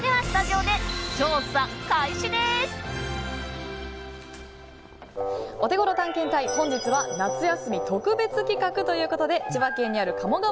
オテゴロ探検隊、本日は夏休み特別企画ということで千葉県にある鴨川